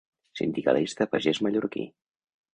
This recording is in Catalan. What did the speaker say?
Sindicalista pagès mallorquí.